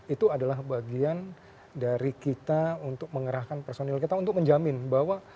itu adalah bagian dari kita untuk mengerahkan personil kita untuk menjamin bahwa